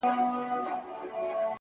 لوړ لید لوري لوی بدلون راولي.